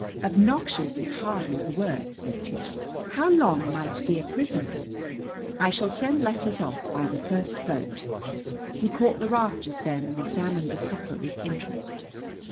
"Obnoxious is hardly the word," said Tish. "How long am I to be a prisoner?" "I shall send letters off by the first boat." He caught the raft just then and examined the supper with interest.